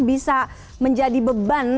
bisa menjadi beban